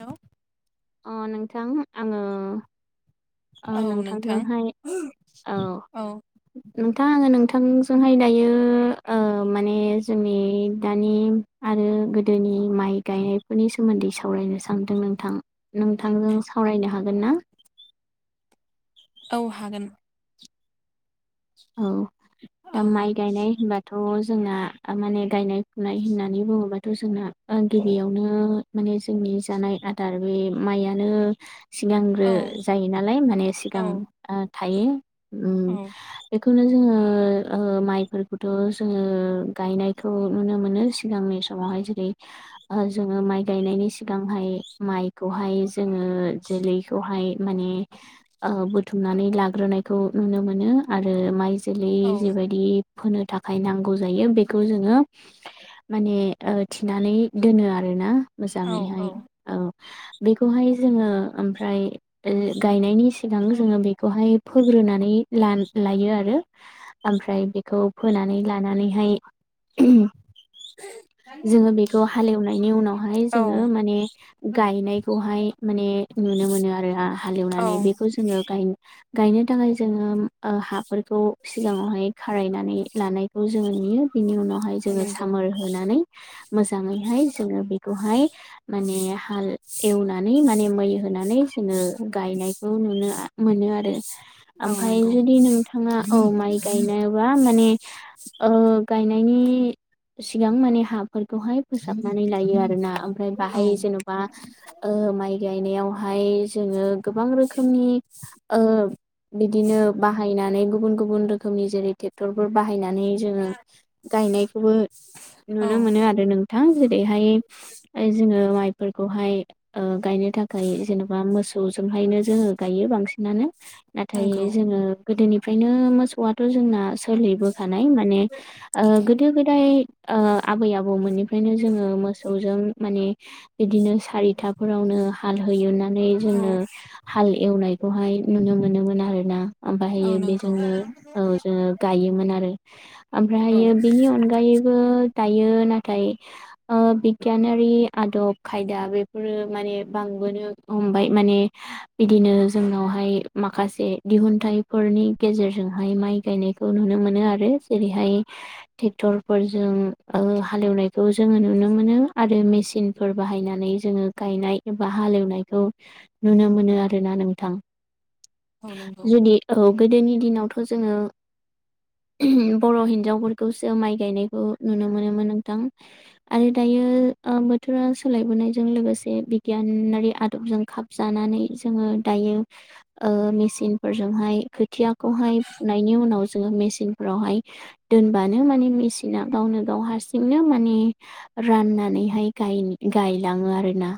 Hello अ नोंथां आङो ओ औ नोंथां नोंथांजोंहाय औ नोंथां आङो नोंथ नोंथां जोंहाय दायो ओ माने जोंनि दानि आरो गोदोनि नि माइ गायनायफोरनि सोमोन्दै सावरायनो सानदों नोंथां नोंथांजों सावरायनो हागोन ना? औ हागोन। औ औ दा माइ गायनाय होनबाथ' जोंना ओ माने गायनाय फुनाय होननानै बुङोबाथ' जोंना ओ गिबियावनो माने जोंनि जानाय आदार बे मायानो सिगांग्रो औ जायो नालाय माने औ सिगां ओ थायो उम औ बेखौनो जोङो ओ माइफोरखौथ' जोङो गायनायखौ नुनो मोनो। सिगांनि समाव ओ जैरै जोङो माय गायनायनि सिगांहाय मायखौहाय जोङो जे दैखौहाय माने ओ बुथुमनानै लाग्रोनायखौ नुनो मोनो। आरो माइ जोलै औ जेबायदि फोनो थाखाय नांगौ जायो बेखौ जोङो माने ओ थिनानै दोनो आरोना मोजाङैहाय औ बेखौहाय जोङो ओमफ्राय ओ गायनायनि सिगां जोङो बेखौहाय फोग्रो नानै लाना लायो आरो ओमफ्राय बेखौ फोनानै लानानैहाय [inaudible] जोङो बेखौ हालेवनायनि उनावहाय औ जोङो माने गायनायखौहाय माने नुनो मोनो आरो आ औ हालेवनानै बेखौ जोङो गाय गायनो थाखाय जोङो हाफोरखौ सिगाङावहाय खारायनानै लानायखौ जोङो नुयो बिनि उनावहाय औ जोङो नंगौ सामोर होनानै मोजाङैहाय जोङो बेखौहाय माने हाल एवनानै माने मै होनानै थोङो गायनायखौ नुनो मोनो आरो औ आमफाय नंगौ जुदि नोंथाङा औ माइ गायनोबा माने गाय निसिगां मान हाफोरखौहाय फोसाबनानै लायो आरोना ओमफ्राय औ बाहाय जेन'बा माइ गायनायाव हायो जोङो गोबां रोखोमनि ओ बिदिनो बाहायनाय गुब गुबुन रोखोमनि जेरै ट्रेक्टर बाहायनानै जोङो गायनायखौबो औ नुनो मोनो आरो नोंथां जेरैहाय जोङो माइ फोरखौहाय गायनो थाखाय जेनेबा मोसौजोंहायनो जोङो गायो बांसिनानो नाथाय नंगौ जोङो गोदोनिफ्रायनो मोसौआथ' जोंना सोलिबो खानाय। माने गोदो गोदाय आबै आबौमोननिफ्रायनो जोङो मोसौजों ओ माने बिदिनो सा रिथाफोरावनो हाल होयोनानै औ जोङो हाल एवनायखौहाय नुनो मोनोमोन आ रोना औ आफाहाययो नंगौ बेजोंनो औ जोङो गायोमोन आरो औ ओमफ्रायहायो बेनि अनगै अनगायैबो दायो नाथाय बिगियानारि आदब खायदा बेफोरो माने बांसिन सबोनो हमबाय माने बिदिनो जोंनावहाय माखासे दिहुनथाइफोरनि गेजेरजोंहाय माइ गायनायखौ नुनो मोनो आरो जेरैहाय टेकटर फोरजों हालेवनायखौ जोङो नुनो मोनो आरो मेसिनफोर बाहायनानै जोङो गायनाय एबा हालेवनायखौ नुनो मोनो आरोना नोंथां। [inaudible] नंगौ जुदि औ गोदोनि दिनावथ' जोङो बर' हिनजावफोरखौसो माइ गायनायखौ नुनो मोनोमोन नोंथां आरो दायो बि बोथोरा सोलायबोनायजों लोगोसे बिगियानारि आदबजों खाबजानानै जो ङो दायो मेसिन फोरजोंहाय खोथियाखौहाय फुनायनि उनाव जोङो मे सिनफोरावहाय दोनबानो माने मेसिना गावनो गाव हारसिंनो माने रान नानैहाय गायलाङो आरो ना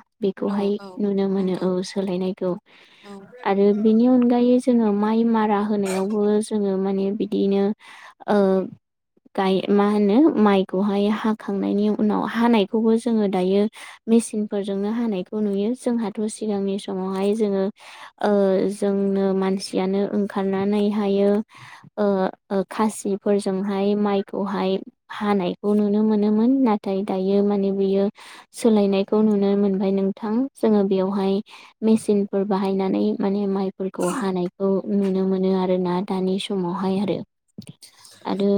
औ बेखौहाय औ नुनो मोनो नंगौ औ सोलायनायखौ औ आरो बिनि अनगायै जोङो माइ मारा होनायावबो जोङो माने बिदिनो गाय मा होनो माइखौहाय हाखांनायनि उनाव हानायखौबो जोङो दायो मेसिनफोरजोंनो हानायखौ नुयो जोंहाथ' सिगांनि समावहाय जोङो जों [unintelligible] मानसियानो ओंखारनानै हायो खासिफोरजोंहाय माइखौहाय हानायखौ नुनो मोनोमोन नाथाय दायो माने बियो सोलायनायखौ नुनो मोनबाय नोंथां जोङो बेयावहाय मेसिनफर बाहायनानै माइफोरखौ हानाय खौ नुनो मोनो आरोना दानि समावहाय आरो। आरो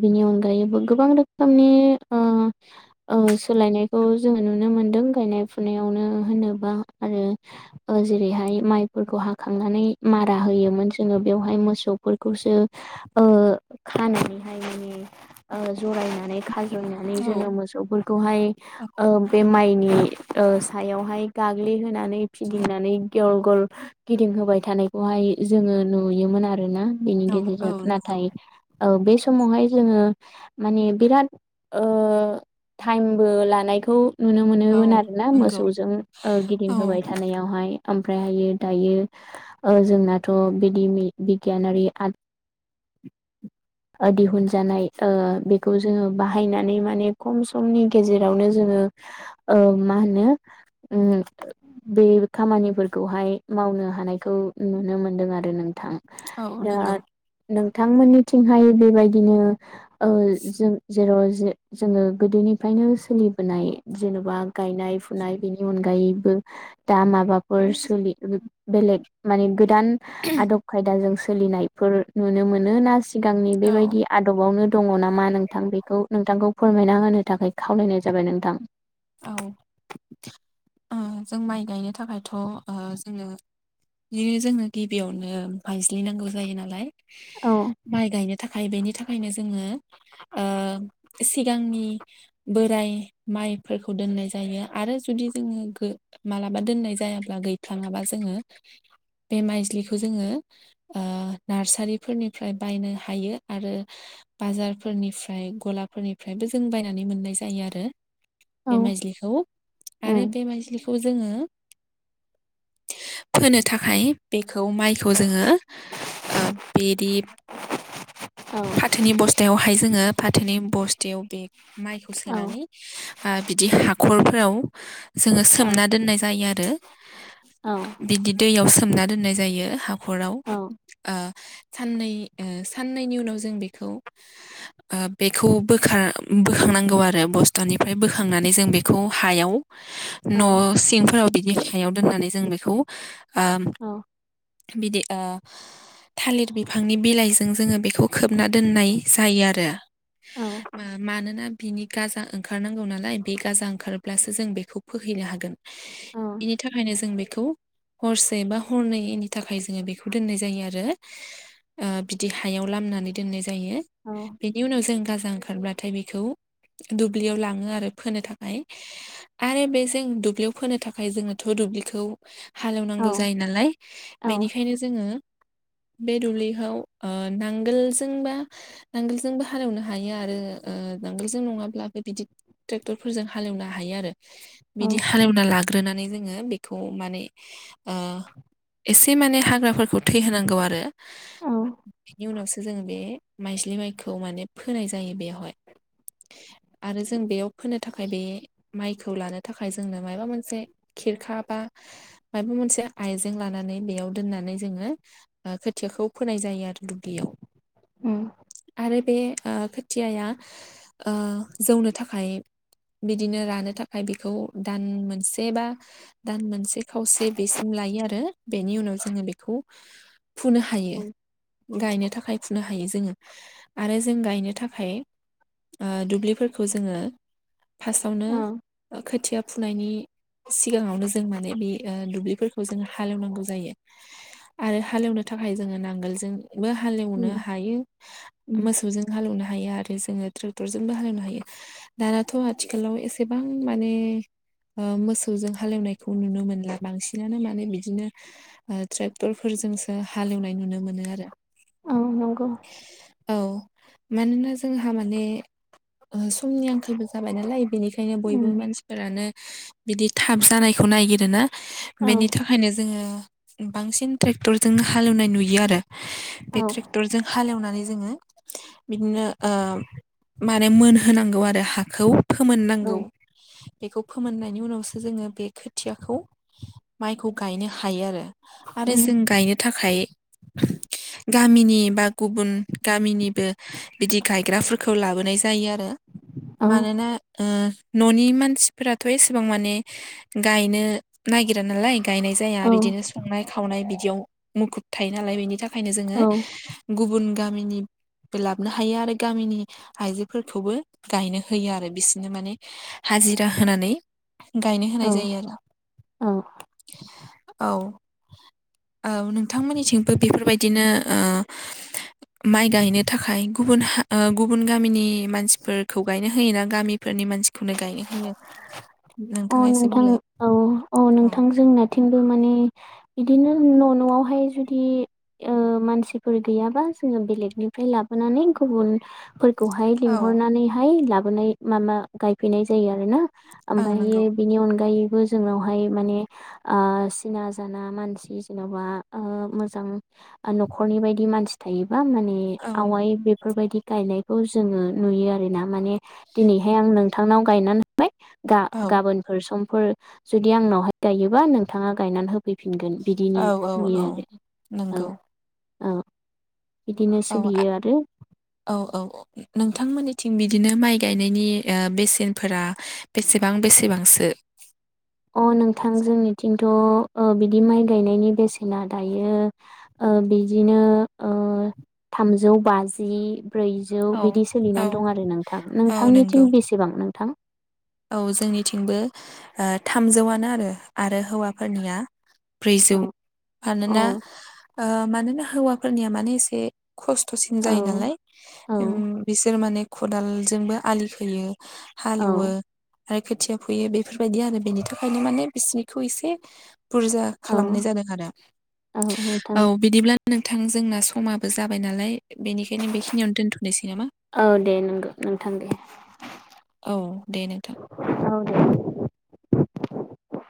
बिनि अनगायैबो गोबां रोखोमनि सोलायनायखौ जोङो नुनो मोन्दों गायनाय फुनायावनो होनोबा आरो जेरैहाय माइ फोरखौ हाखांनानै मारा होयोमोन जोङो बेवहाय मोसौफोरखौसो खानानैहाय माने जरायनानै रुनानै औ जोङो मोसौफोरखौहाय बे माइनि ओ सायावहाय गाग्लिहोनानै फिदिंनानै गेवल गल गिदिंहोबाय थानाय जोङो नुयोमोन आरोना बेनि औ गेजेरजों औ नंगौ नाथाय बे समावहाय जोङो माने बिराद ओ टाइमबो लानायखौ नुनो औ मोनोमोन आरो ना नंगौ मोसौजों औ गिदिंहोबाय थानायाव हाय ओमफ्राय हायो दायो जोंनाथ' बिदि बिगियानारि आदब दिहुनजानाय बेखौ जोङो बाहायनानै माने खम समनि गेजेरावनो जों जेनेबा खामानिफोरखौहाय मावनो मावनो हानायखौ नुनो मोनदों आरो नोंथां औ नंगौ बिथांमोननिथिंहाय बेबायदिनो जोंङो जेराव जोङो गोदोनिफ्रायनो सोलिबोनाय जेन'बा गायनाय फुनाय बेनि अनगायै दा माबाफोर बेलेग माबाफोर सुबिदा गोदान गोदान आदब खायदाजों सोलिनायफोर नुनो मोनो ना सिगांनि औ बेबायदि आदबावनो दङ नामा नोंथां बेखौ नोंथांखौ फोरमायना होनो थाखाय खावलायनाय जाबाय नोंथां औ जों माइ गायनो थाखायथ' जोङो बिदिनो जोंनो गिबियावनो मानस्लि नांगौ जायो नालाय औ माइ गायनो थाखाय बेनि थाखायनो जोङो सिगांनि बोराय माइ फोरखौ दोननाय जायो आरो जुदि जोङो मालाबा दोननाय जायाब्ला गैफलांङाबा जोङो बे माइज्लिखौ जोङो नार्सारिफोरनिफ्राय बायनो हायो आरो बाजारफोरनिफ्राय गलाफोरनिफ्रायबो जों बायनानै मोननाय जायो आरो बे औ माइज्लिखौ आरो उम बे माइज्लिखौ जोङो [unintelligible] फोनो थाखाय बेखौ माइखौ जोङो ओ बिदि औ फाथोनि बस्था फाथोवावहाय जोङो फाथोनि बस्थायाव बे माइखौ औ सोनानै आ बिदि हाखरफ्राव जोङो औ सोमना दोननाय जायो आरो औ बिदि दैयाव सोमना दोननाय जायो हाखराव औ साननै साननैनि उनाव जों बेखौ बेखौ बोखां बोखांनांगौ आरो बस्ताखौ ओमफ्राय बोखांनानै जों बेखौ हायाव न' औ सिंफोराव बिदि सायाव दोननानै जों बेखौ बिदि ओ थालिर बिफांनि बिलाइजों जोङो बेखौ खोबना दोननाय जायो आरो औ मानोना बिनि गाजा ओंखार ओंखारनांगौ नालाय बे गाजा ओंखारोबब्लासो जों बेखौ फोहैनो हागोन बेनि थाखायनो जों बेखौ हरसे बा हरनैनि थाखाय जोङो बेखौ दोननाय जायो आरो बिदि हायाव लामनानै दोन्नाय जायो औ बिनि उनाव जोंङो गाजा ओंखारबलाथाय बेखौ दुब्लियाव दुब्लियाव लाङो आरो फोनो थाखाय आरो बेजों दुब्लियाव फोनो थाखाय जोङोथ' दुब्लिखौ हालेवनांगौ औ जायो नालाय औ बेनिखायनो जोङो बे दुब्लिखौ नांगोलजोंबा नांगोलजोंबो हालेवनो हायो आरो नांगोलजों नङाब्ला बिदि ट्रेक्टरफोरजों हालेवनो हायो आरो औ बिदि हालेवना लाग्रोनानै जोङो बेखौ माने एसे माने हाग्राफोरखौ थै हैनोनांगौ आरो औ बेनि उनावसो जों बे माइज्लि माइखौ माने फोनाय जायो बेवहाय आरो जों बेयाव फोनो थाखाय बे माइखौ लानो थाखाय जोंनो माबा मोनसे खेरखा बा माबा मोनसे आइजें लानानै बेयाव दोननानै जोङो खोथियाखौ फोनाय जायो दुब्लियाव उम आरो बे खोथियाया जौनो थाखाय बिदिनो रानो थाखाय बेखौ दान मोनसे बा दान मोनसे खावसे बेसिम लायो आरो बेनि उनाव जोङो बेखौ फुनो हायो औ गायनो थाखाय फुनो हायो जोङो आरो जों गायनो थाखाय दुब्लिफोर खौ जोङो फार्स्टआवनो खोथिया फुनायनि सिगाङावनो जों माने बे दुब्लिफोरखौ जोंङो हालेवनांगौ जायो आरो हालेवनो थाखाय जोङो नांगोलजोंबो हालेवनो उम हायो उम मोसौजों हालेवनो हायो आरो जोङो ट्रेक्टरजोंबो हालेवनो हायो दानाथ' आथिखालाव एसेबां माने मोसौजों हालेवनायखौ नुनो मोनला बांसिनानो माने बिदिनो ट्रेक्टरफोर जोंसो हालेवनाय नुनो मोनो आरो औ नंगौ औ मानोना जोंहा माने समनि आंखालबो जाबाय नालाय बेनिखाय खायनो बयबो उम मानसिफोरानो बिदि थाब जानायखौ ननायागिरोना औ बेनि थाखायनो जोङो बांसिन ट्रेक्टरजों हालेवनाय नुयो आरो बे औ ट्रेक्टरजों हालेवनानै जोङो बिदिनो माने मोनहोनांगौ आरो हाखौ औ फोमोननांगौ बेखौ फोमोननायनि उनावसो जोङो बे खोथियाखौ माइखौ गायनो हायो आरो आरो उम जों गायनो थाखाय गामिनि बा गुबुन गामिनिबो बिदि गायग्राफोरखौ लाबोनाय जायो आरो औ मानोना ओ न'नि मानसिफोराथ' एसेबां माने गायनो नागिरा नालाय गायनाय जाया औ बिदिनो संनाय खावनाय बिदियाव मुखुब थायो नालाय बेनि था खायनो जोङो औ गुबुन गामिनिबो लाबो हायो आरो गामिनि आइजोफोरखौबो गायनो होयो आरो बिसोरनो माने हाजिरा होनानै गायनो होनाय औ जायो आरो औ औ औ नोंथांमोननिथिंबो बेफोरबायदिनो ओ माइ गायनो थाखाय गुबुन गुबुन गामिनि मानसि फोरखौ गायनो होयो ना गामिफोरनि मानसिखौनो गायनो होयो अ नोंथाङा एसे नोंथां बुंलाय औ अ औ नोंथां जोंना थिंबो माने बिदिनो न' न'आवहाय जुदि मानसिफोर गैयाबा जोङो बेलेगनिफ्राय लाबोनानै गुबुन फोरखौहाय औ लिंहरनानैहाय लाबोनाय माबा गायफैनाय जायो आरो ना ओं नंगौ ओमफ्रायो बिनि अनगायैबो जोंनावहाय माने आ सिना जाना मानसि जेन'बा मोजां न'खरनि बायदि मानसि थायो बा माने औ आवाय बेफोरबायदि गायनायखौ जोङो नुयो आरोना माने दिनैहाय आं नोंथांनाव गायनानै औ गाबोन समफोर जुदि आंनावहाय गायोबा नोंथाङा गायनानै होब फैफिनगोन बिदिनि औ औ नुयो औ आरो औ नंगौ औ बिदिनो औ सोलियो आरो नोंमोननिथिं बिदिनो माइ गायनायनि बेसेनफोरा बेसेबां बेसेबांसो अ नोंथां जोंनिथिंथ' बि दि माइ गायनायनि बेसेना दायो बिदिनो ओ थामजौ बाजि ब्रैजौ औ बिदि औ सोलिनानै दं आरो नोंथां औ नंगौ नोंथांनिथिं बेसेबां नोंथां औ जोंनिथिंबो थामजौआनो आरो आरो हौवाफोरनिया ब्रैजौ औ औ मानोना मानोना हौवाफोरनिया माने एसे खस्थ'सिन जायो औ नालाय औ बिसोर माने खदालजोंबो आलि खोयो हालेवो औ आरो खोथिया फोयो बेफोरबायदि आरो बेनि थाखायनो माने बिसिनिखौ एसे बुरजा खालामनाय औ जादों आरो औ नोंथां औ बिदिब्ला नोंथां जोंना समाबो जाबाय नालाय। बेनिखायनो बेखिनि दोनथ'नोसै नामा? औ दे नंगौ नोंथां दे औ दे नोंथां औ दे